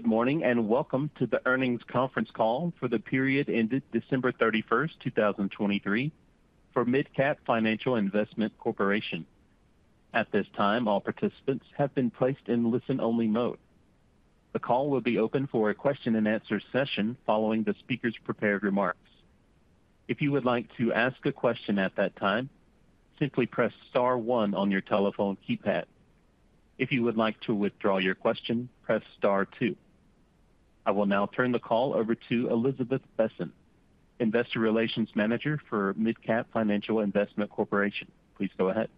Good morning and welcome to the earnings conference call for the period ended December 31, 2023, for MidCap Financial Investment Corporation. At this time, all participants have been placed in listen-only mode. The call will be open for a question-and-answer session following the speaker's prepared remarks. If you would like to ask a question at that time, simply press star 1 on your telephone keypad. If you would like to withdraw your question, press star two. I will now turn the call over to Elizabeth Besen, Investor Relations Manager for MidCap Financial Investment Corporation. Please go ahead.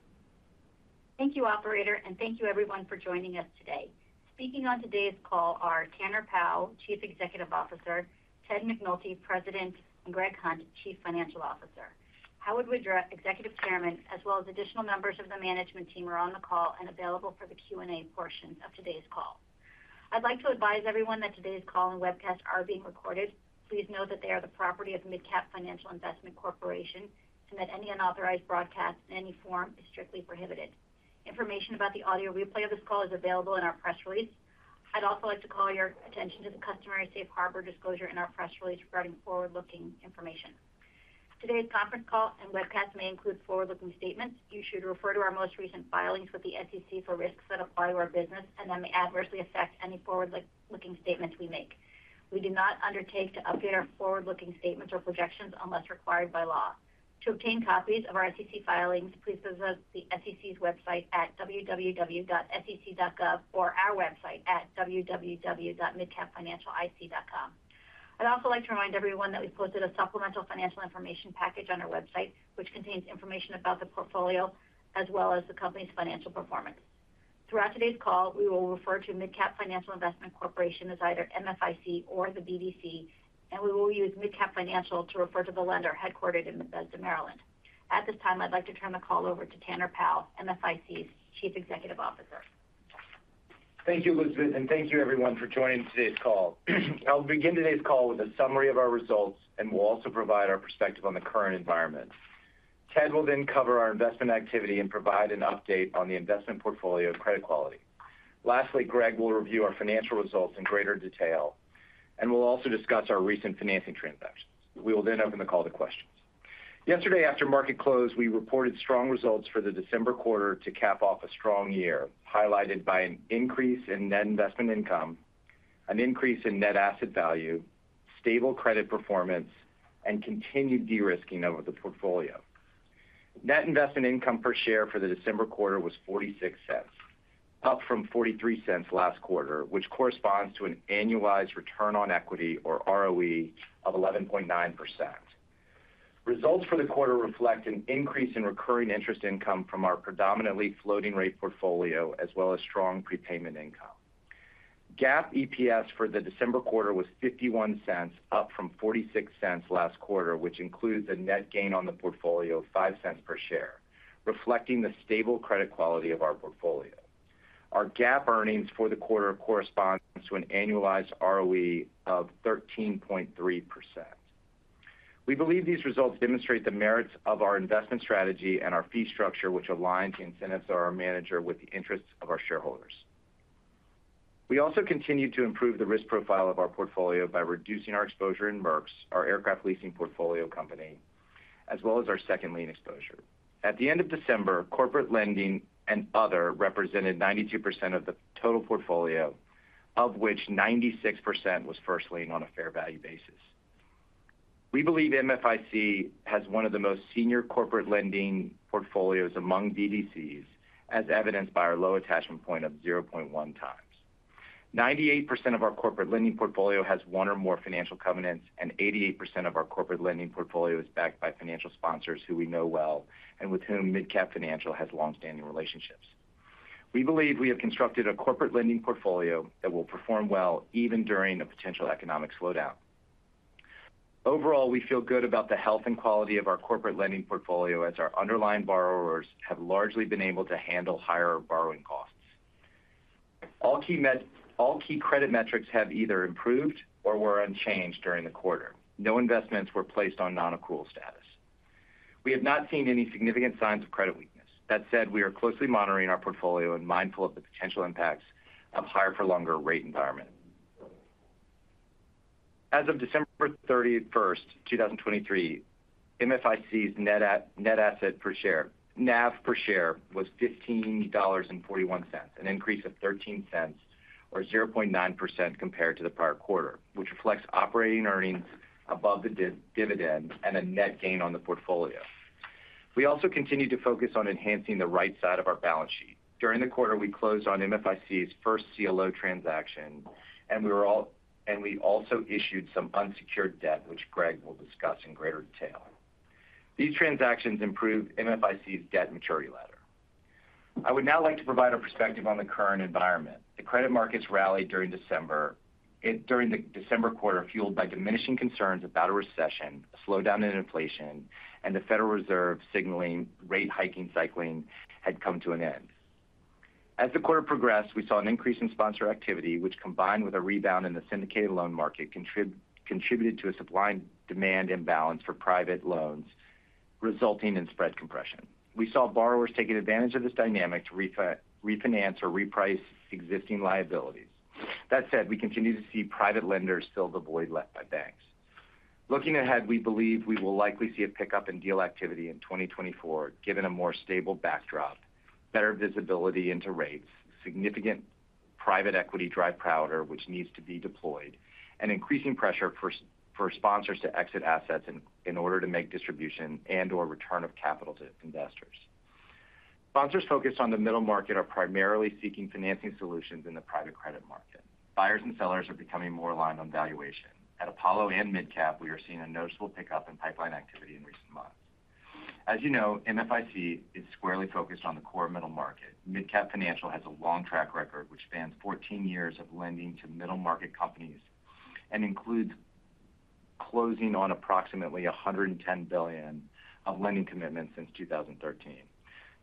Thank you, Operator, and thank you, everyone, for joining us today. Speaking on today's call are Tanner Powell, Chief Executive Officer, Ted McNulty, President, and Greg Hunt, Chief Financial Officer. Howard Widra, Executive Chairman, as well as additional members of the management team are on the call and available for the Q&A portions of today's call. I'd like to advise everyone that today's call and webcast are being recorded. Please know that they are the property of MidCap Financial Investment Corporation and that any unauthorized broadcast in any form is strictly prohibited. Information about the audio replay of this call is available in our press release. I'd also like to call your attention to the customary safe harbor disclosure in our press release regarding forward-looking information. Today's conference call and webcast may include forward-looking statements. You should refer to our most recent filings with the SEC for risks that apply to our business and that may adversely affect any forward-looking statements we make. We do not undertake to update our forward-looking statements or projections unless required by law. To obtain copies of our SEC filings, please visit the SEC's website at www.sec.gov or our website at www.midcapfinancialic.com. I'd also like to remind everyone that we've posted a supplemental financial information package on our website, which contains information about the portfolio as well as the company's financial performance. Throughout today's call, we will refer to MidCap Financial Investment Corporation as either MFIC or the BDC, and we will use MidCap Financial to refer to the lender headquartered in Bethesda, Maryland. At this time, I'd like to turn the call over to Tanner Powell, MFIC's Chief Executive Officer. Thank you, Elizabeth, and thank you, everyone, for joining today's call. I'll begin today's call with a summary of our results, and we'll also provide our perspective on the current environment. Ted will then cover our investment activity and provide an update on the investment portfolio and credit quality. Lastly, Greg will review our financial results in greater detail, and we'll also discuss our recent financing transactions. We will then open the call to questions. Yesterday, after market close, we reported strong results for the December quarter to cap off a strong year, highlighted by an increase in net investment income, an increase in net asset value, stable credit performance, and continued de-risking of the portfolio. Net investment income per share for the December quarter was $0.46, up from $0.43 last quarter, which corresponds to an annualized return on equity, or ROE, of 11.9%.Results for the quarter reflect an increase in recurring interest income from our predominantly floating-rate portfolio as well as strong prepayment income. GAAP EPS for the December quarter was $0.51, up from $0.46 last quarter, which includes a net gain on the portfolio of $0.05 per share, reflecting the stable credit quality of our portfolio. Our GAAP earnings for the quarter correspond to an annualized ROE of 13.3%. We believe these results demonstrate the merits of our investment strategy and our fee structure, which aligns the incentives of our manager with the interests of our shareholders. We also continue to improve the risk profile of our portfolio by reducing our exposure in Merx's, our aircraft leasing portfolio company, as well as our second lien exposure. At the end of December, corporate lending and other represented 92% of the total portfolio, of which 96% was first lien on a fair value basis. We believe MFIC has one of the most senior corporate lending portfolios among BDCs, as evidenced by our low attachment point of 0.1x. 98% of our corporate lending portfolio has one or more financial covenants, and 88% of our corporate lending portfolio is backed by financial sponsors who we know well and with whom MidCap Financial has longstanding relationships. We believe we have constructed a corporate lending portfolio that will perform well even during a potential economic slowdown. Overall, we feel good about the health and quality of our corporate lending portfolio as our underlying borrowers have largely been able to handle higher borrowing costs. All key credit metrics have either improved or were unchanged during the quarter. No investments were placed on non-accrual status. We have not seen any significant signs of credit weakness. That said, we are closely monitoring our portfolio and mindful of the potential impacts of higher-for-longer rate environments. As of December 31, 2023, MFIC's net asset per share NAV per share was $15.41, an increase of $0.13 or 0.9% compared to the prior quarter, which reflects operating earnings above the dividend and a net gain on the portfolio. We also continue to focus on enhancing the right side of our balance sheet. During the quarter, we closed on MFIC's first CLO transaction, and we also issued some unsecured debt, which Greg will discuss in greater detail. These transactions improved MFIC's debt maturity ladder. I would now like to provide a perspective on the current environment. The credit markets rallied during the December quarter, fueled by diminishing concerns about a recession, a slowdown in inflation, and the Federal Reserve signaling rate-hiking cycle had come to an end. As the quarter progressed, we saw an increase in sponsor activity, which, combined with a rebound in the syndicated loan market, contributed to a supply and demand imbalance for private loans, resulting in spread compression. We saw borrowers taking advantage of this dynamic to refinance or reprice existing liabilities. That said, we continue to see private lenders still avoided by banks. Looking ahead, we believe we will likely see a pickup in deal activity in 2024, given a more stable backdrop, better visibility into rates, significant private equity dry powder, which needs to be deployed, and increasing pressure for sponsors to exit assets in order to make distribution and/or return of capital to investors. Sponsors focused on the middle market are primarily seeking financing solutions in the private credit market. Buyers and sellers are becoming more aligned on valuation. At Apollo and MidCap, we are seeing a noticeable pickup in pipeline activity in recent months. As you know, MFIC is squarely focused on the core middle market. MidCap Financial has a long track record, which spans 14 years of lending to middle market companies and includes closing on approximately $110 billion of lending commitments since 2013.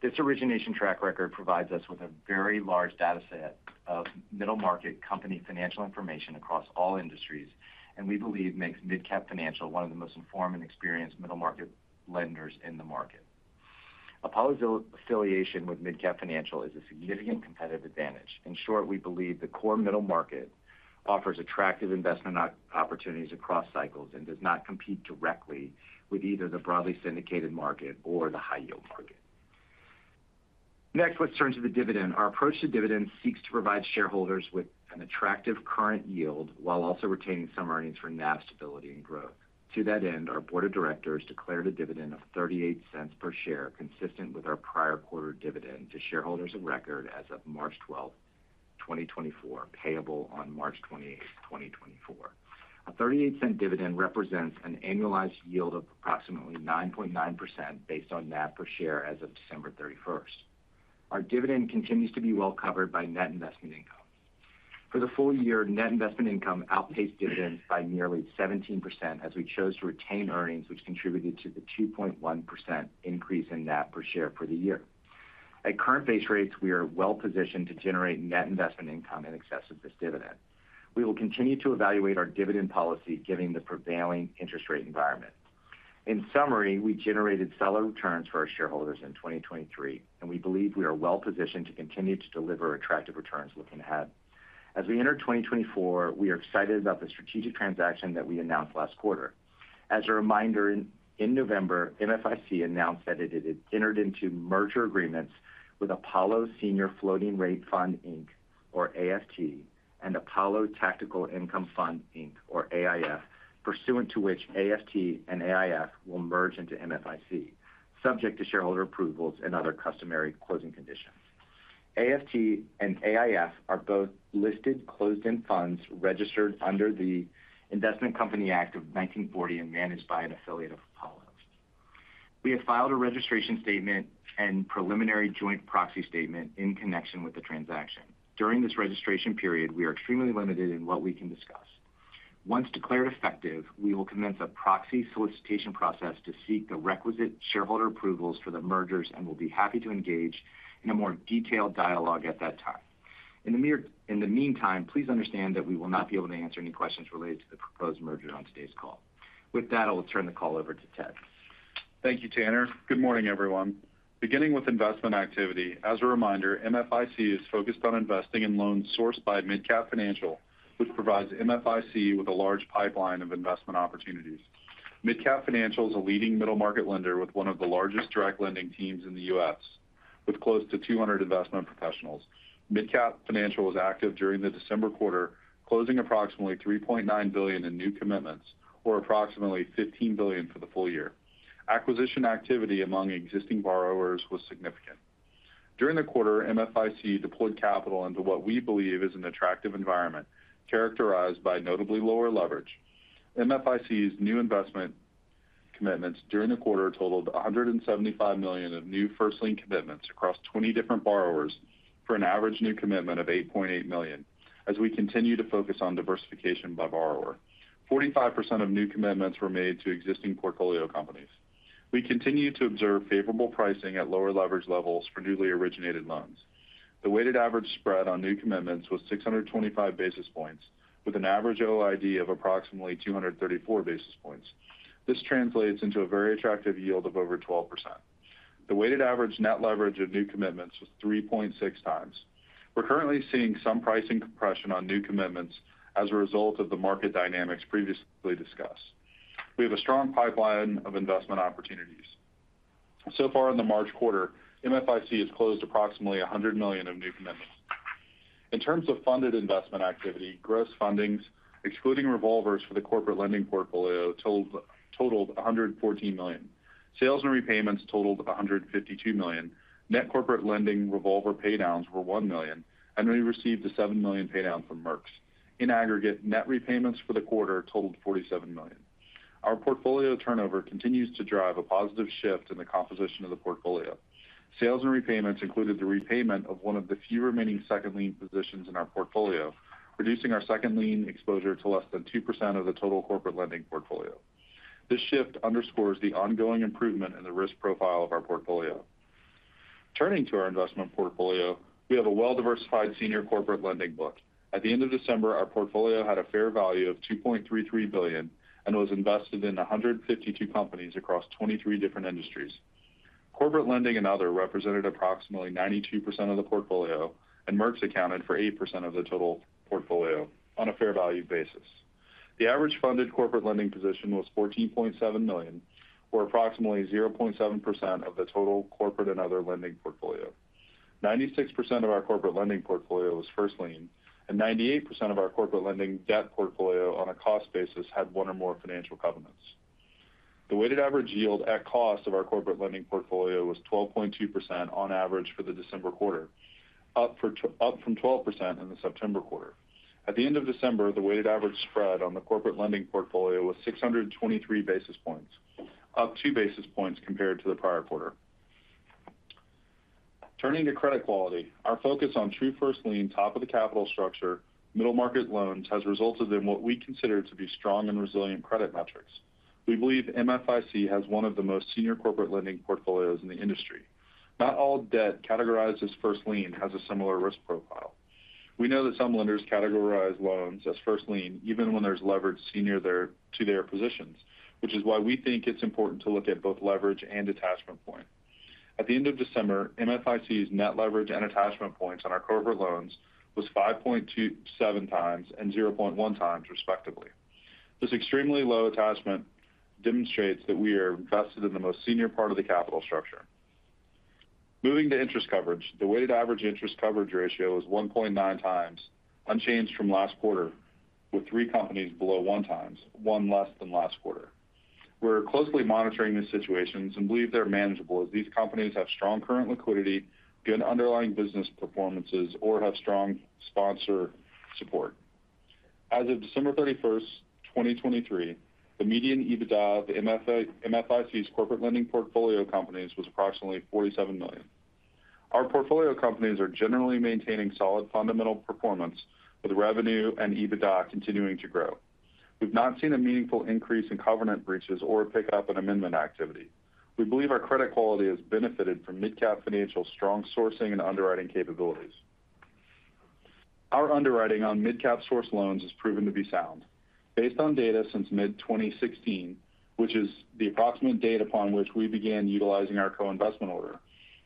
This origination track record provides us with a very large dataset of middle market company financial information across all industries, and we believe makes MidCap Financial one of the most informed and experienced middle market lenders in the market. Apollo's affiliation with MidCap Financial is a significant competitive advantage. In short, we believe the core middle market offers attractive investment opportunities across cycles and does not compete directly with either the broadly syndicated market or the high-yield market. Next, let's turn to the dividend. Our approach to dividends seeks to provide shareholders with an attractive current yield while also retaining some earnings for NAV stability and growth. To that end, our board of directors declared a dividend of $0.38 per share, consistent with our prior quarter dividend to shareholders of record as of March 12, 2024, payable on March 28, 2024. A $0.38 dividend represents an annualized yield of approximately 9.9% based on NAV per share as of December 31. Our dividend continues to be well covered by net investment income. For the full year, net investment income outpaced dividends by nearly 17% as we chose to retain earnings, which contributed to the 2.1% increase in NAV per share for the year. At current base rates, we are well positioned to generate net investment income in excess of this dividend. We will continue to evaluate our dividend policy, given the prevailing interest rate environment. In summary, we generated solid returns for our shareholders in 2023, and we believe we are well positioned to continue to deliver attractive returns looking ahead. As we enter 2024, we are excited about the strategic transaction that we announced last quarter. As a reminder, in November, MFIC announced that it had entered into merger agreements with Apollo Senior Floating Rate Fund, Inc., or AFT, and Apollo Tactical Income Fund, Inc., or AIF, pursuant to which AFT and AIF will merge into MFIC, subject to shareholder approvals and other customary closing conditions. AFT and AIF are both listed closed-end funds registered under the Investment Company Act of 1940 and managed by an affiliate of Apollo. We have filed a registration statement and preliminary joint proxy statement in connection with the transaction. During this registration period, we are extremely limited in what we can discuss. Once declared effective, we will commence a proxy solicitation process to seek the requisite shareholder approvals for the mergers and will be happy to engage in a more detailed dialogue at that time. In the meantime, please understand that we will not be able to answer any questions related to the proposed merger on today's call. With that, I will turn the call over to Ted. Thank you, Tanner. Good morning, everyone. Beginning with investment activity, as a reminder, MFIC is focused on investing in loans sourced by MidCap Financial, which provides MFIC with a large pipeline of investment opportunities. MidCap Financial is a leading middle market lender with one of the largest direct lending teams in the U.S., with close to 200 investment professionals. MidCap Financial was active during the December quarter, closing approximately $3.9 billion in new commitments, or approximately $15 billion for the full year. Acquisition activity among existing borrowers was significant. During the quarter, MFIC deployed capital into what we believe is an attractive environment characterized by notably lower leverage. MFIC's new investment commitments during the quarter totaled $175 million of new first lien commitments across 20 different borrowers for an average new commitment of $8.8 million, as we continue to focus on diversification by borrower. 45% of new commitments were made to existing portfolio companies. We continue to observe favorable pricing at lower leverage levels for newly originated loans. The weighted average spread on new commitments was 625 basis points, with an average OID of approximately 234 basis points. This translates into a very attractive yield of over 12%. The weighted average net leverage of new commitments was 3.6 times. We're currently seeing some pricing compression on new commitments as a result of the market dynamics previously discussed. We have a strong pipeline of investment opportunities. So far in the March quarter, MFIC has closed approximately $100 million of new commitments. In terms of funded investment activity, gross fundings, excluding revolvers for the corporate lending portfolio, totaled $114 million. Sales and repayments totaled $152 million. Net corporate lending revolver paydowns were $1 million, and we received a $7 million paydown from Merx. In aggregate, net repayments for the quarter totaled $47 million. Our portfolio turnover continues to drive a positive shift in the composition of the portfolio. Sales and repayments included the repayment of one of the few remaining second lien positions in our portfolio, reducing our second lien exposure to less than 2% of the total corporate lending portfolio. This shift underscores the ongoing improvement in the risk profile of our portfolio. Turning to our investment portfolio, we have a well-diversified senior corporate lending book. At the end of December, our portfolio had a fair value of $2.33 billion and was invested in 152 companies across 23 different industries. Corporate lending and other represented approximately 92% of the portfolio, and Merx accounted for 8% of the total portfolio on a fair value basis. The average funded corporate lending position was $14.7 million, or approximately 0.7% of the total corporate and other lending portfolio. 96% of our corporate lending portfolio was first lien, and 98% of our corporate lending debt portfolio on a cost basis had one or more financial covenants. The weighted average yield at cost of our corporate lending portfolio was 12.2% on average for the December quarter, up from 12% in the September quarter. At the end of December, the weighted average spread on the corporate lending portfolio was 623 basis points, up two basis points compared to the prior quarter. Turning to credit quality, our focus on true first lien, top-of-the-capital structure, middle market loans has resulted in what we consider to be strong and resilient credit metrics. We believe MFIC has one of the most senior corporate lending portfolios in the industry. Not all debt categorized as first lien has a similar risk profile. We know that some lenders categorize loans as first lien even when there's leverage senior to their positions, which is why we think it's important to look at both leverage and attachment points. At the end of December, MFIC's net leverage and attachment points on our corporate loans was 5.27x and 0.1x, respectively. This extremely low attachment demonstrates that we are invested in the most senior part of the capital structure. Moving to interest coverage, the weighted average interest coverage ratio is 1.9x, unchanged from last quarter, with three companies below 1x, one less than last quarter. We're closely monitoring these situations and believe they're manageable as these companies have strong current liquidity, good underlying business performances, or have strong sponsor support. As of December 31, 2023, the median EBITDA of MFIC's corporate lending portfolio companies was approximately $47 million. Our portfolio companies are generally maintaining solid fundamental performance, with revenue and EBITDA continuing to grow. We've not seen a meaningful increase in covenant breaches or a pickup in amendment activity. We believe our credit quality has benefited from MidCap Financial's strong sourcing and underwriting capabilities. Our underwriting on MidCap source loans has proven to be sound. Based on data since mid-2016, which is the approximate date upon which we began utilizing our co-investment order,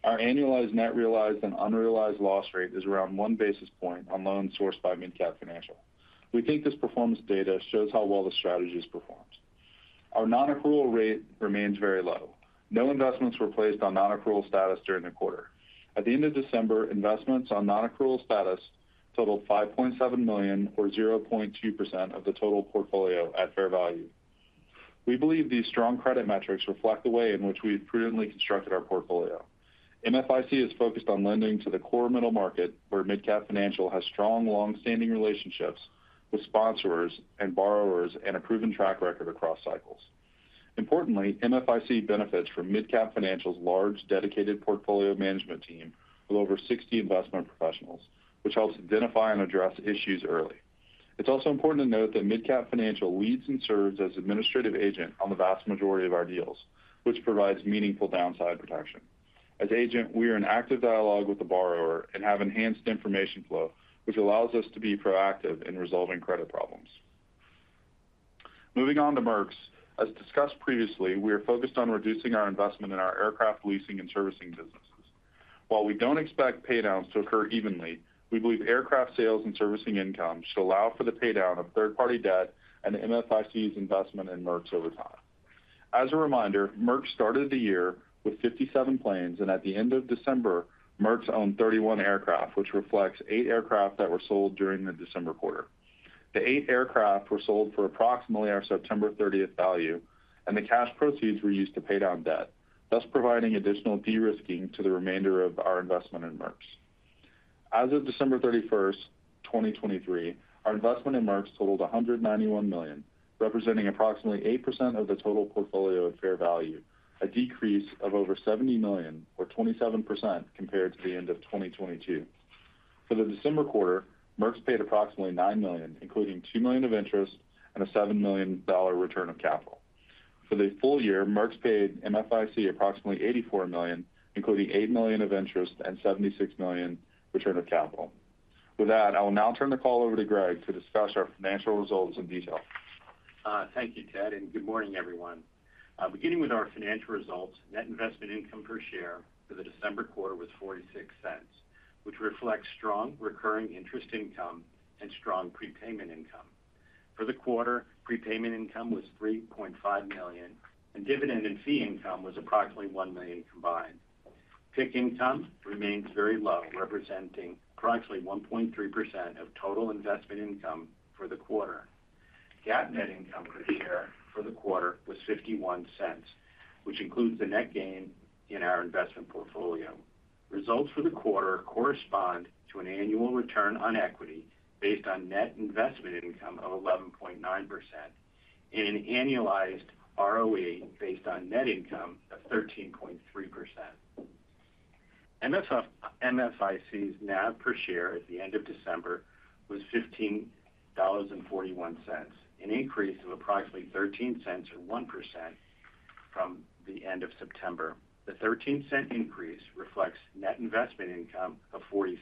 our annualized net realized and unrealized loss rate is around one basis point on loans sourced by MidCap Financial. We think this performance data shows how well the strategy has performed. Our non-accrual rate remains very low. No investments were placed on non-accrual status during the quarter. At the end of December, investments on non-accrual status totaled $5.7 million, or 0.2% of the total portfolio at fair value. We believe these strong credit metrics reflect the way in which we've prudently constructed our portfolio. MFIC is focused on lending to the core middle market, where MidCap Financial has strong, longstanding relationships with sponsors and borrowers and a proven track record across cycles. Importantly, MFIC benefits from MidCap Financial's large dedicated portfolio management team with over 60 investment professionals, which helps identify and address issues early. It's also important to note that MidCap Financial leads and serves as administrative agent on the vast majority of our deals, which provides meaningful downside protection. As agent, we are in active dialogue with the borrower and have enhanced information flow, which allows us to be proactive in resolving credit problems. Moving on to Merx's, as discussed previously, we are focused on reducing our investment in our aircraft leasing and servicing businesses. While we don't expect paydowns to occur evenly, we believe aircraft sales and servicing income should allow for the paydown of third-party debt and MFIC's investment in Merx's over time. As a reminder, Merx started the year with 57 planes, and at the end of December, Merx's owned 31 aircraft, which reflects 8 aircraft that were sold during the December quarter. The 8 aircraft were sold for approximately our September 30 value, and the cash proceeds were used to pay down debt, thus providing additional de-risking to the remainder of our investment in Merx's. As of December 31, 2023, our investment in Merx totaled $191 million, representing approximately 8% of the total portfolio at fair value, a decrease of over $70 million, or 27% compared to the end of 2022. For the December quarter, Merx paid approximately $9 million, including $2 million of interest and a $7 million return of capital. For the full year, Merx paid MFIC approximately $84 million, including $8 million of interest and $76 million return of capital. With that, I will now turn the call over to Greg to discuss our financial results in detail. Thank you, Ted, and good morning, everyone. Beginning with our financial results, net investment income per share for the December quarter was $0.46, which reflects strong recurring interest income and strong prepayment income. For the quarter, prepayment income was $3.5 million, and dividend and fee income was approximately $1 million combined. PIK income remains very low, representing approximately 1.3% of total investment income for the quarter. GAAP net income per share for the quarter was $0.51, which includes the net gain in our investment portfolio. Results for the quarter correspond to an annual return on equity based on net investment income of 11.9% and an annualized ROE based on net income of 13.3%. MFIC's NAV per share at the end of December was $15.41, an increase of approximately $0.13, or 1%, from the end of September. The $0.13 increase reflects net investment income of $0.46,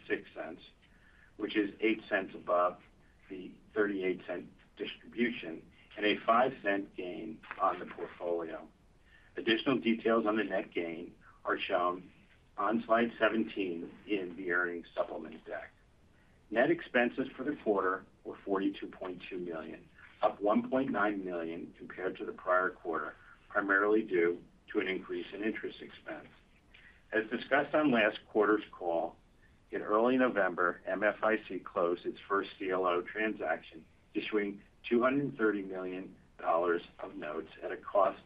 which is 8 cents above the $0.38 distribution and a $0.05 gain on the portfolio. Additional details on the net gain are shown on slide 17 in the earnings supplement deck. Net expenses for the quarter were $42.2 million, up $1.9 million compared to the prior quarter, primarily due to an increase in interest expense. As discussed on last quarter's call, in early November, MFIC closed its first CLO transaction, issuing $230 million of notes at a cost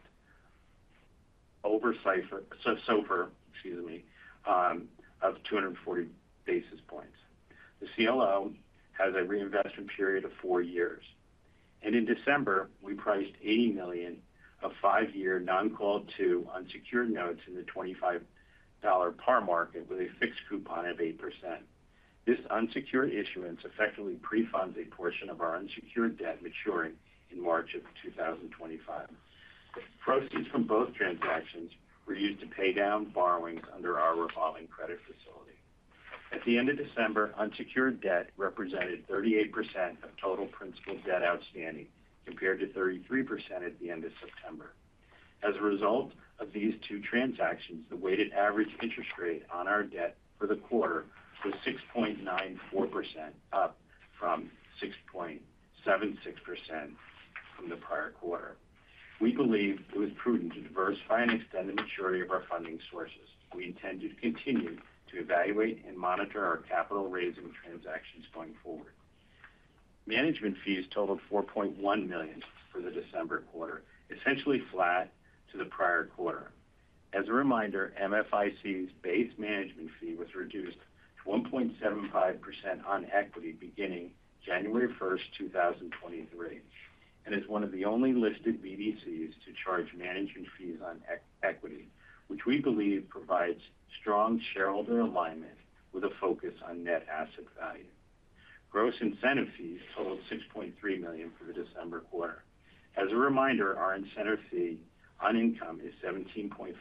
over SOFR, excuse me, of 240 basis points. The CLO has a reinvestment period of four years. And in December, we priced $80 million of five year non-callable unsecured notes in the $25 par market with a fixed coupon of 8%. This unsecured issuance effectively prefunds a portion of our unsecured debt maturing in March of 2025. Proceeds from both transactions were used to pay down borrowings under our revolving credit facility. At the end of December, unsecured debt represented 38% of total principal debt outstanding compared to 33% at the end of September. As a result of these two transactions, the weighted average interest rate on our debt for the quarter was 6.94%, up from 6.76% from the prior quarter. We believe it was prudent to diversify and extend the maturity of our funding sources. We intend to continue to evaluate and monitor our capital-raising transactions going forward. Management fees totaled $4.1 million for the December quarter, essentially flat to the prior quarter. As a reminder, MFIC's base management fee was reduced to 1.75% on equity beginning January 1, 2023, and is one of the only listed BDCs to charge management fees on equity, which we believe provides strong shareholder alignment with a focus on net asset value. Gross incentive fees totaled $6.3 million for the December quarter. As a reminder, our incentive fee on income is 17.5%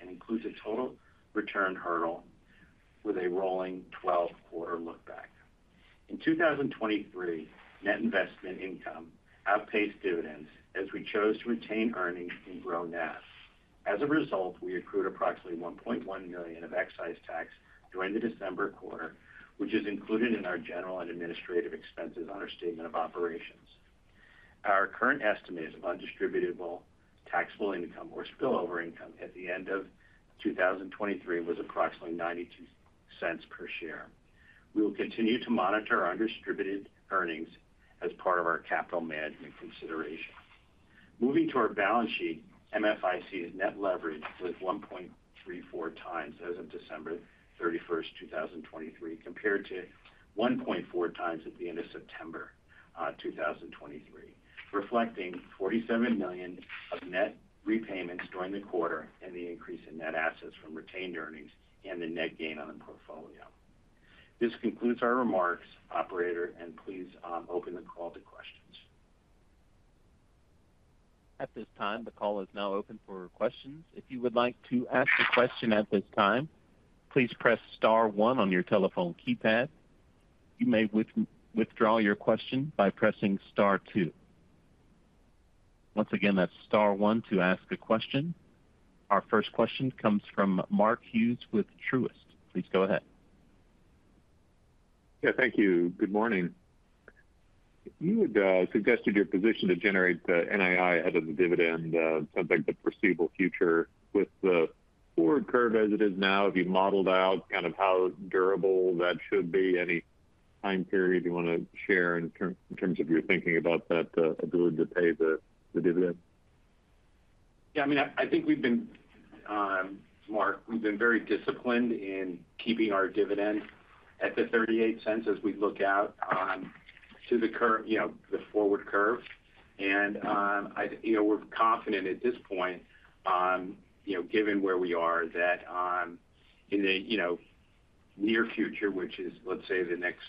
and includes a total return hurdle with a rolling 12-quarter lookback. In 2023, net investment income outpaced dividends as we chose to retain earnings and grow NAV. As a result, we accrued approximately $1.1 million of excise tax during the December quarter, which is included in our general and administrative expenses on our statement of operations. Our current estimates of undistributed taxable income or spillover income at the end of 2023 was approximately $0.92 per share. We will continue to monitor undistributed earnings as part of our capital management consideration. Moving to our balance sheet, MFIC's net leverage was 1.34x as of December 31, 2023, compared to 1.4x at the end of September 2023, reflecting $47 million of net repayments during the quarter and the increase in net assets from retained earnings and the net gain on the portfolio. This concludes our remarks, operator, and please open the call to questions. At this time, the call is now open for questions. If you would like to ask a question at this time, please press star one on your telephone keypad. You may withdraw your question by pressing star two. Once again, that's star one to ask a question. Our first question comes from Mark Hughes with Truist. Please go ahead. Yeah, thank you. Good morning. You had suggested your position to generate the NII ahead of the dividend. Sounds like the foreseeable future. With the forward curve as it is now, have you modeled out kind of how durable that should be? Any time period you want to share in terms of your thinking about that ability to pay the dividend? Yeah, I mean, I think we've been, Mark, very disciplined in keeping our dividend at $0.38 as we look out to the forward curve. We're confident at this point, given where we are, that in the near future, which is, let's say, the next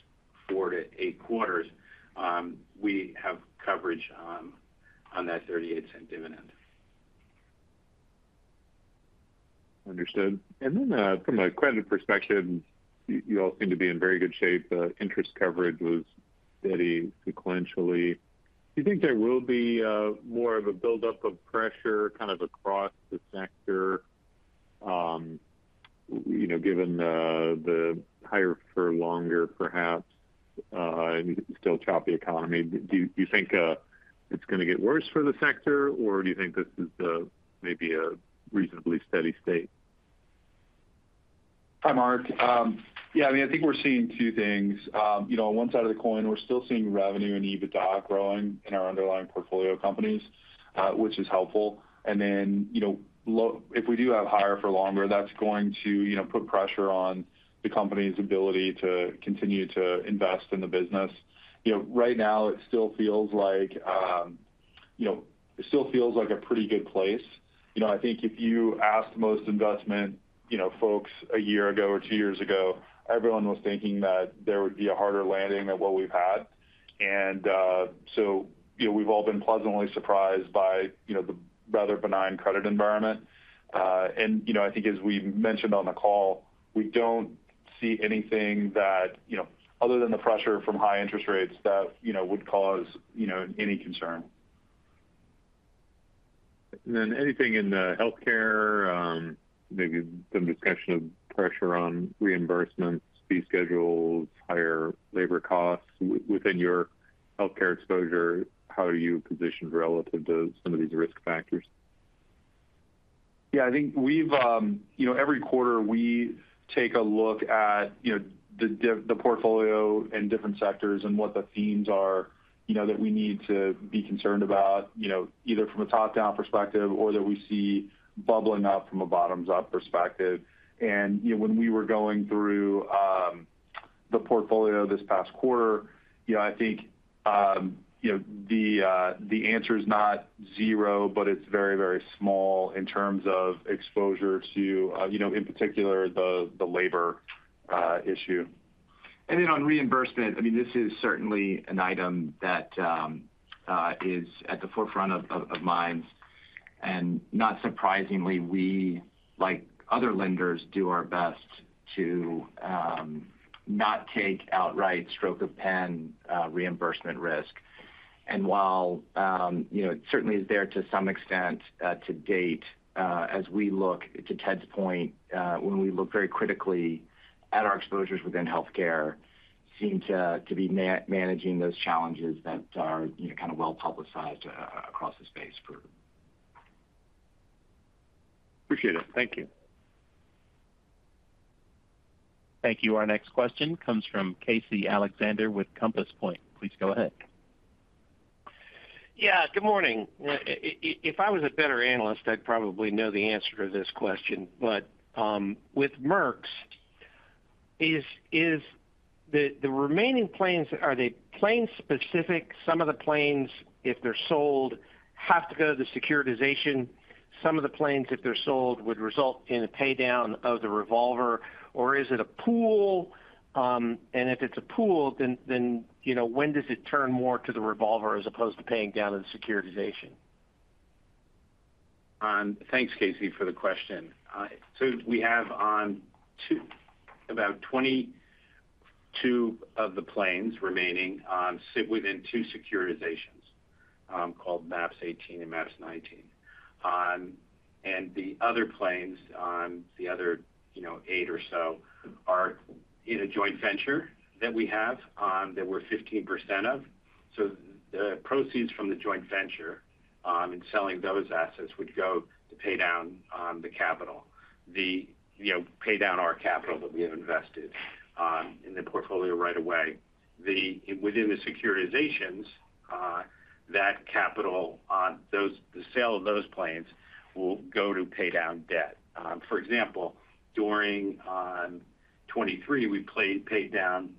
4-8 quarters, we have coverage on that $0.38 dividend. Understood. Then from a credit perspective, you all seem to be in very good shape. Interest coverage was steady sequentially. Do you think there will be more of a buildup of pressure kind of across the sector, given the higher-for-longer, perhaps, and still choppy economy? Do you think it's going to get worse for the sector, or do you think this is maybe a reasonably steady state? Hi, Mark. Yeah, I mean, I think we're seeing two things. On one side of the coin, we're still seeing revenue and EBITDA growing in our underlying portfolio companies, which is helpful. And then if we do have higher-for-longer, that's going to put pressure on the company's ability to continue to invest in the business. Right now, it still feels like it still feels like a pretty good place. I think if you asked most investment folks a year ago or two years ago, everyone was thinking that there would be a harder landing than what we've had. And so we've all been pleasantly surprised by the rather benign credit environment. And I think, as we mentioned on the call, we don't see anything that, other than the pressure from high interest rates, that would cause any concern. Anything in healthcare, maybe some discussion of pressure on reimbursements, fee schedules, higher labor costs? Within your healthcare exposure, how are you positioned relative to some of these risk factors? Yeah, I think every quarter, we take a look at the portfolio in different sectors and what the themes are that we need to be concerned about, either from a top-down perspective or that we see bubbling up from a bottoms-up perspective. When we were going through the portfolio this past quarter, I think the answer is not zero, but it's very, very small in terms of exposure to, in particular, the labor issue. Then on reimbursement, I mean, this is certainly an item that is at the forefront of minds. Not surprisingly, we, like other lenders, do our best to not take outright stroke of the pen reimbursement risk. While it certainly is there to some extent to date, as we look, to Ted's point, when we look very critically at our exposures within healthcare, seem to be managing those challenges that are kind of well-publicized across the space for. Appreciate it. Thank you. Thank you. Our next question comes from Casey Alexander with Compass Point. Please go ahead. Yeah, good morning. If I was a better analyst, I'd probably know the answer to this question. But with Merx's, is the remaining planes, are they plane-specific? Some of the planes, if they're sold, have to go to the securitization. Some of the planes, if they're sold, would result in a paydown of the revolver, or is it a pool? And if it's a pool, then when does it turn more to the revolver as opposed to paying down to the securitization? Thanks, Casey, for the question. So we have about 22 of the planes remaining sit within two securitizations called MAPS 18 and MAPS 19. The other planes, the other eight or so, are in a joint venture that we have that we're 15% of. So the proceeds from the joint venture in selling those assets would go to pay down the capital, pay down our capital that we have invested in the portfolio right away. Within the securitizations, that capital, the sale of those planes, will go to pay down debt. For example, during 2023, we paid down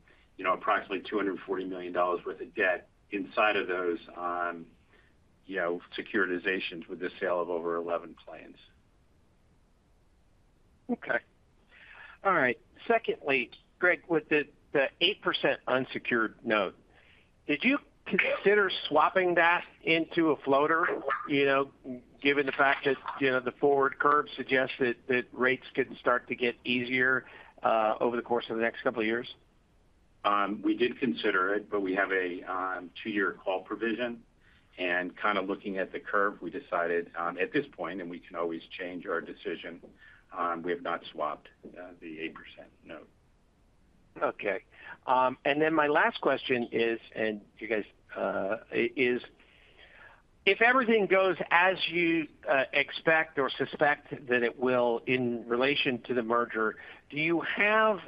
approximately $240 million worth of debt inside of those securitizations with the sale of over 11 planes. Okay. All right. Secondly, Greg, with the 8% unsecured note, did you consider swapping that into a floater, given the fact that the forward curve suggests that rates could start to get easier over the course of the next couple of years? We did consider it, but we have a two year call provision. Kind of looking at the curve, we decided at this point, and we can always change our decision, we have not swapped the 8% note. Okay. And then my last question is, and you guys, is if everything goes as you expect or suspect that it will in relation to the merger, do you have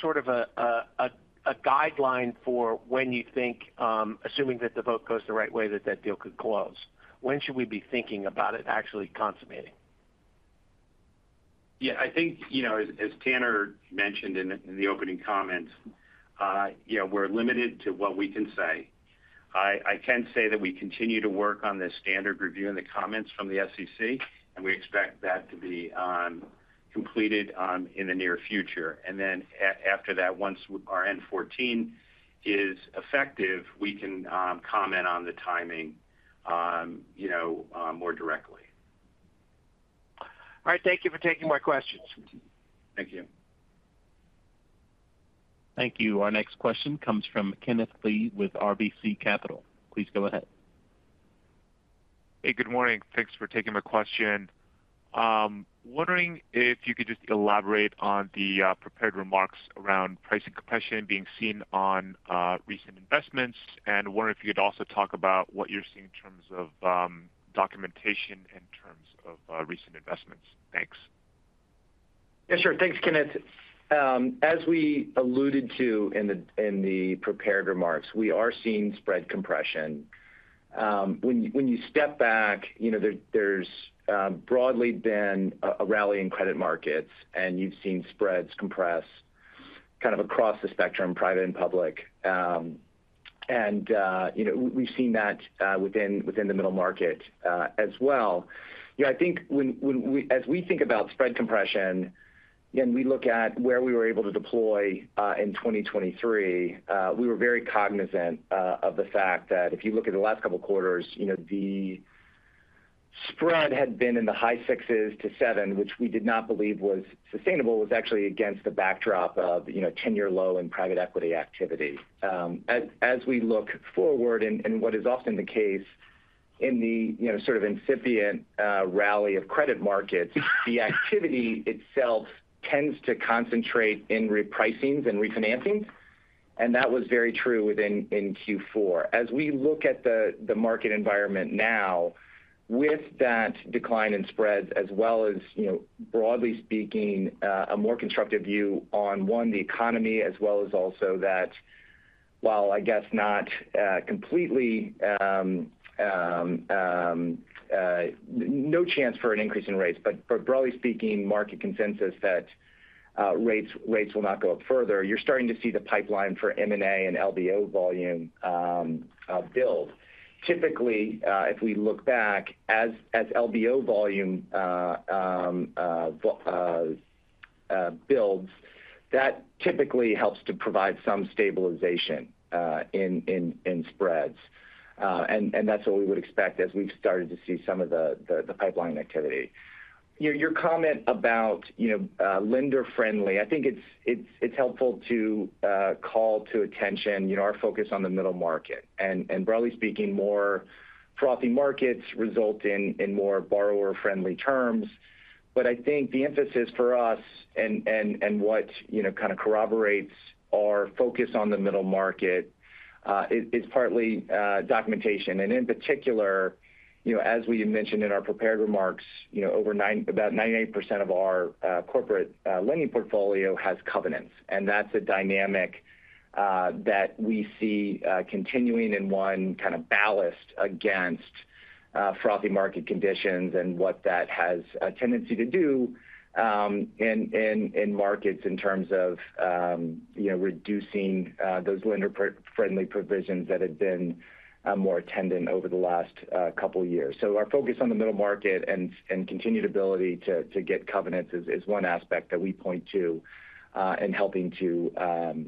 sort of a guideline for when you think, assuming that the vote goes the right way, that that deal could close? When should we be thinking about it actually consummating? Yeah, I think, as Tanner mentioned in the opening comments, we're limited to what we can say. I can say that we continue to work on this standard review and the comments from the SEC, and we expect that to be completed in the near future. Then after that, once our N-14 is effective, we can comment on the timing more directly. All right. Thank you for taking my questions. Thank you. Thank you. Our next question comes from Kenneth Lee with RBC Capital. Please go ahead. Hey, good morning. Thanks for taking my question. Wondering if you could just elaborate on the prepared remarks around pricing compression being seen on recent investments, and wondering if you could also talk about what you're seeing in terms of documentation in terms of recent investments. Thanks. Yeah, sure. Thanks, Kenneth. As we alluded to in the prepared remarks, we are seeing spread compression. When you step back, there's broadly been a rally in credit markets, and you've seen spreads compress kind of across the spectrum, private and public. And we've seen that within the middle market as well. I think as we think about spread compression, again, we look at where we were able to deploy in 2023. We were very cognizant of the fact that if you look at the last couple of quarters, the spread had been in the high 6s to 7, which we did not believe was sustainable, was actually against the backdrop of 10-year low in private equity activity. As we look forward, and what is often the case in the sort of incipient rally of credit markets, the activity itself tends to concentrate in repricings and refinancings. That was very true within Q4. As we look at the market environment now, with that decline in spreads as well as, broadly speaking, a more constructive view on, one, the economy, as well as also that, while I guess not completely no chance for an increase in rates, but broadly speaking, market consensus that rates will not go up further, you're starting to see the pipeline for M&A and LBO volume build. Typically, if we look back, as LBO volume builds, that typically helps to provide some stabilization in spreads. That's what we would expect as we've started to see some of the pipeline activity. Your comment about lender-friendly, I think it's helpful to call to attention our focus on the middle market. Broadly speaking, more frothy markets result in more borrower-friendly terms. But I think the emphasis for us and what kind of corroborates our focus on the middle market is partly documentation. And in particular, as we mentioned in our prepared remarks, about 98% of our corporate lending portfolio has covenants. And that's a dynamic that we see continuing in one kind of ballast against frothy market conditions and what that has a tendency to do in markets in terms of reducing those lender-friendly provisions that had been more attendant over the last couple of years. So our focus on the middle market and continued ability to get covenants is one aspect that we point to in helping to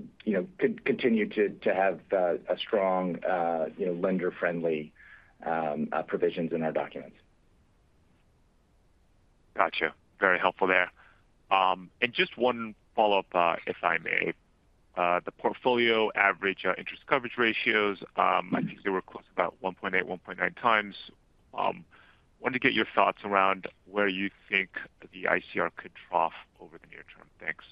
continue to have strong lender-friendly provisions in our documents. Gotcha. Very helpful there. Just one follow-up, if I may. The portfolio average interest coverage ratios, I think they were close to about 1.8-1.9 times. Wanted to get your thoughts around where you think the ICR could trough over the near term. Thanks.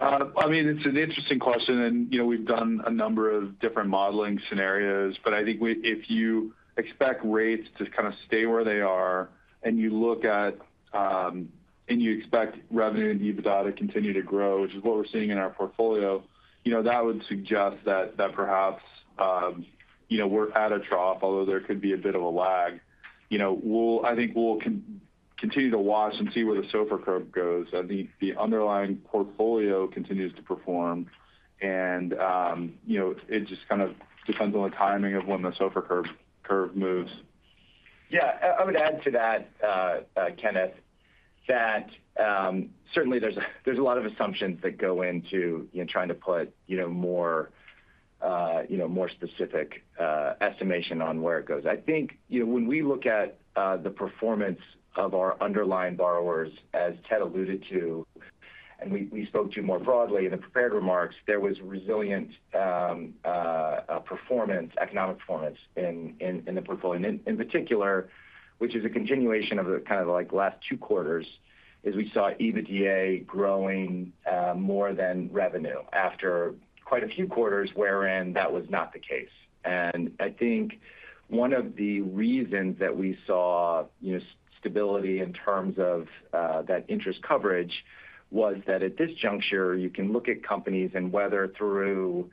I mean, it's an interesting question. We've done a number of different modeling scenarios. I think if you expect rates to kind of stay where they are and you look at and you expect revenue and EBITDA to continue to grow, which is what we're seeing in our portfolio, that would suggest that perhaps we're at a trough, although there could be a bit of a lag. I think we'll continue to watch and see where the SOFR curve goes. I think the underlying portfolio continues to perform. It just kind of depends on the timing of when the SOFR curve moves. Yeah, I would add to that, Kenneth, that certainly, there's a lot of assumptions that go into trying to put more specific estimation on where it goes. I think when we look at the performance of our underlying borrowers, as Ted alluded to, and we spoke to more broadly in the prepared remarks, there was resilient performance, economic performance in the portfolio. And in particular, which is a continuation of kind of the last two quarters, is we saw EBITDA growing more than revenue after quite a few quarters wherein that was not the case. And I think one of the reasons that we saw stability in terms of that interest coverage was that at this juncture, you can look at companies and whether through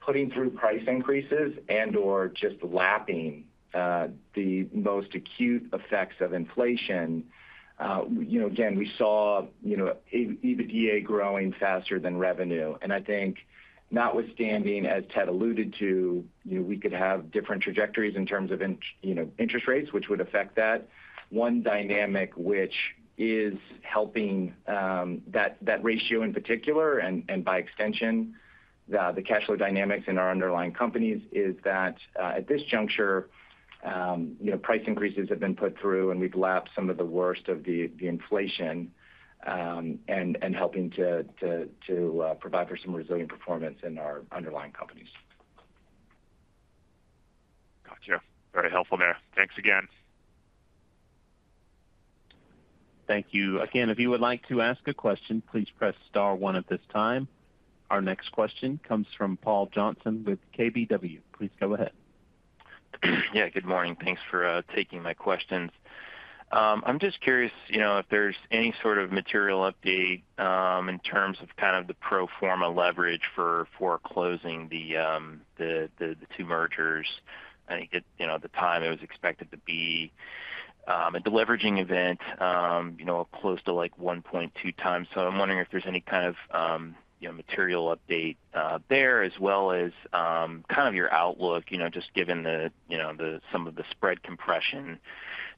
putting through price increases and/or just lapping the most acute effects of inflation, again, we saw EBITDA growing faster than revenue. And I think notwithstanding, as Ted alluded to, we could have different trajectories in terms of interest rates, which would affect that. One dynamic which is helping that ratio in particular and by extension, the cash flow dynamics in our underlying companies is that at this juncture, price increases have been put through, and we've lapped some of the worst of the inflation and helping to provide for some resilient performance in our underlying companies. Gotcha. Very helpful there. Thanks again. Thank you. Again, if you would like to ask a question, please press star one at this time. Our next question comes from Paul Johnson with KBW. Please go ahead. Yeah, good morning. Thanks for taking my questions. I'm just curious if there's any sort of material update in terms of kind of the pro forma leverage for closing the two mergers? I think at the time, it was expected to be a deleveraging event close to 1.2 times. So I'm wondering if there's any kind of material update there as well as kind of your outlook, just given some of the spread compression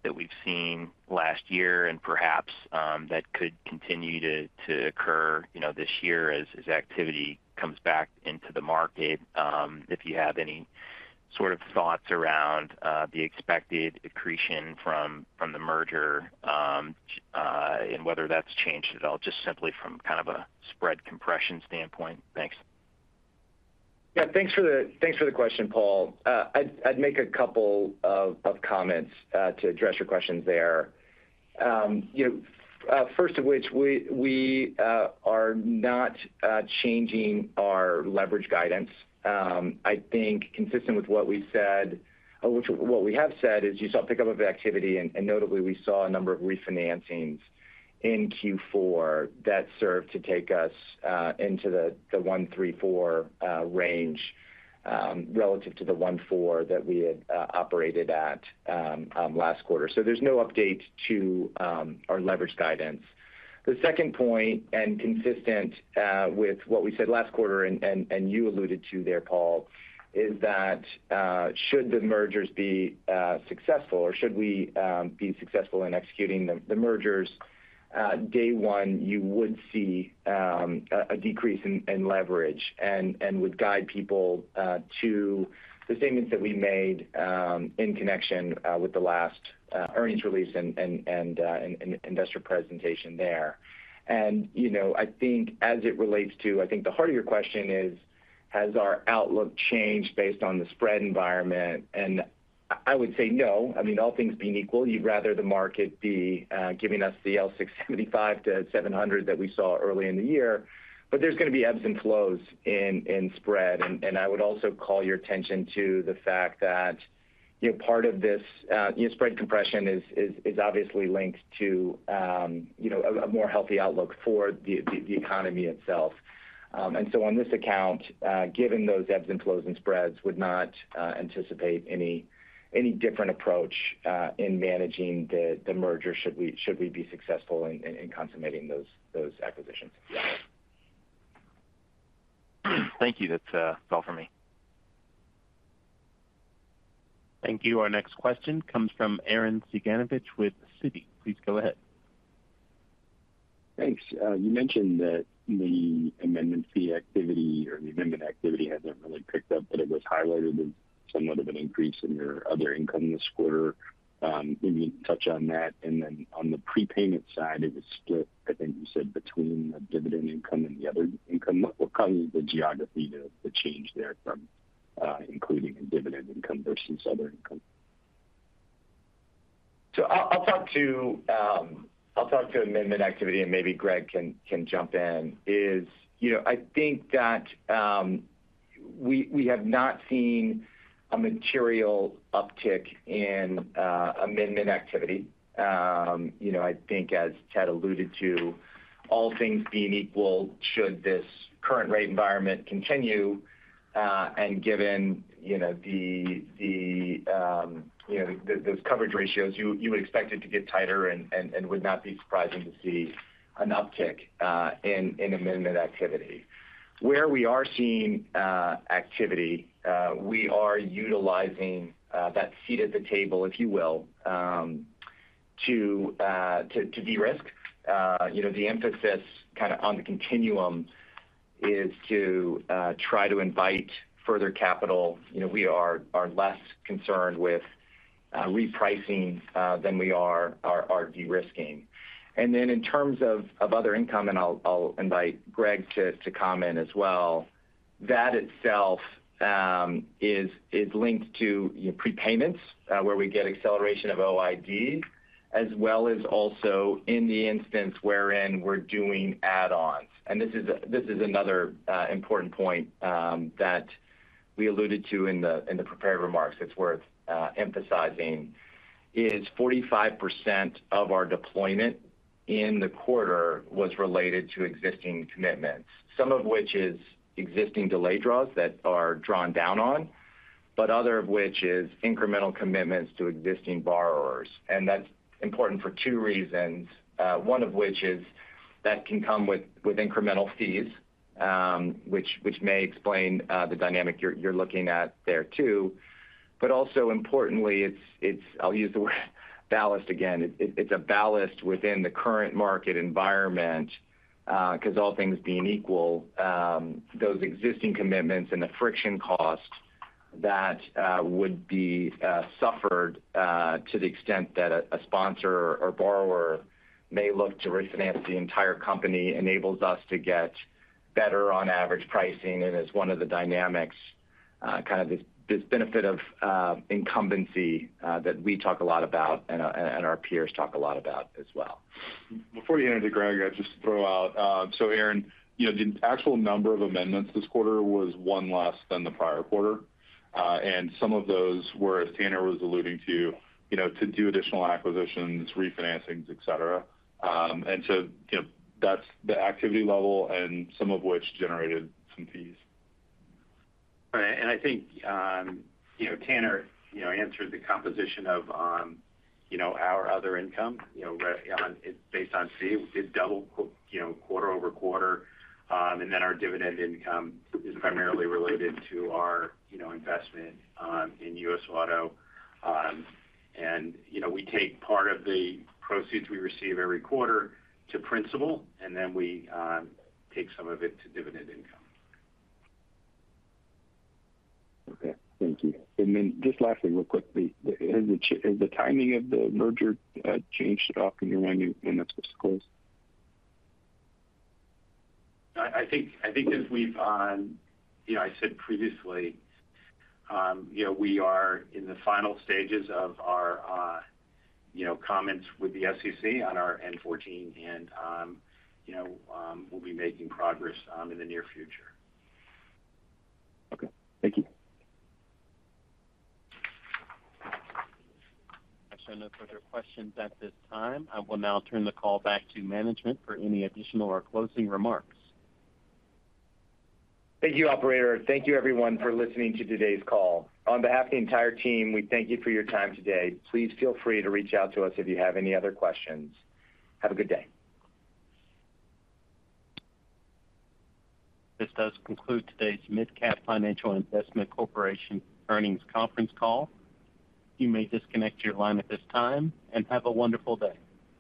that we've seen last year and perhaps that could continue to occur this year as activity comes back into the market? If you have any sort of thoughts around the expected accretion from the merger and whether that's changed at all, just simply from kind of a spread compression standpoint? Thanks. Yeah, thanks for the question, Paul. I'd make a couple of comments to address your questions there, first of which, we are not changing our leverage guidance. I think, consistent with what we've said, what we have said is you saw pickup of activity, and notably, we saw a number of refinancings in Q4 that served to take us into the 1.34 range relative to the 1.4 that we had operated at last quarter. So there's no update to our leverage guidance. The second point, and consistent with what we said last quarter and you alluded to there, Paul, is that should the mergers be successful or should we be successful in executing the mergers, day one, you would see a decrease in leverage and would guide people to the statements that we made in connection with the last earnings release and investor presentation there. I think as it relates to I think the heart of your question is, has our outlook changed based on the spread environment? And I would say no. I mean, all things being equal, you'd rather the market be giving us the L 675-700 that we saw early in the year. But there's going to be ebbs and flows in spread. And I would also call your attention to the fact that part of this spread compression is obviously linked to a more healthy outlook for the economy itself. And so on this account, given those ebbs and flows and spreads, would not anticipate any different approach in managing the merger should we be successful in consummating those acquisitions. Thank you. That's all from me. Thank you. Our next question comes from Arren Cyganovich with Citi. Please go ahead. Thanks. You mentioned that the amendment fee activity or the amendment activity hasn't really picked up, but it was highlighted as somewhat of an increase in your other income this quarter. Maybe you can touch on that. And then on the prepayment side, it was split, I think you said, between the dividend income and the other income. What causes the geography to change there from including dividend income versus other income? So I'll talk to amendment activity, and maybe Greg can jump in. As I think that we have not seen a material uptick in amendment activity. I think, as Ted alluded to, all things being equal, should this current rate environment continue and given those coverage ratios, you would expect it to get tighter and would not be surprising to see an uptick in amendment activity. Where we are seeing activity, we are utilizing that seat at the table, if you will, to de-risk. The emphasis kind of on the continuum is to try to invite further capital. We are less concerned with repricing than we are de-risking. And then in terms of other income, and I'll invite Greg to comment as well, that itself is linked to prepayments where we get acceleration of OID as well as also in the instance wherein we're doing add-ons. This is another important point that we alluded to in the prepared remarks that's worth emphasizing: 45% of our deployment in the quarter was related to existing commitments, some of which is existing delay draws that are drawn down on, but other of which is incremental commitments to existing borrowers. And that's important for two reasons, one of which is that can come with incremental fees, which may explain the dynamic you're looking at there too. But also importantly, it's. I'll use the word ballast again. It's a ballast within the current market environment because all things being equal, those existing commitments and the friction cost that would be suffered to the extent that a sponsor or borrower may look to refinance the entire company enables us to get better on average pricing and is one of the dynamics, kind of this benefit of incumbency that we talk a lot about and our peers talk a lot about as well. Before you enter to Greg, I'd just throw out so Aaron, the actual number of amendments this quarter was one less than the prior quarter. Some of those were, as Tanner was alluding to, to do additional acquisitions, refinancings, etc. So that's the activity level, and some of which generated some fees. Right. And I think Tanner answered the composition of our other income based on fee. It doubled quarter-over-quarter. And then our dividend income is primarily related to our investment in US Auto. And we take part of the proceeds we receive every quarter to principal, and then we take some of it to dividend income. Okay. Thank you. And then just lastly, real quick, has the timing of the merger changed off and around you when that's supposed to close? I think as we've said previously, we are in the final stages of our comments with the SEC on our N14, and we'll be making progress in the near future. Okay. Thank you. I've seen no further questions at this time. I will now turn the call back to management for any additional or closing remarks. Thank you, operator. Thank you, everyone, for listening to today's call. On behalf of the entire team, we thank you for your time today. Please feel free to reach out to us if you have any other questions. Have a good day. This does conclude today's MidCap Financial Investment Corporation earnings conference call. You may disconnect your line at this time and have a wonderful day.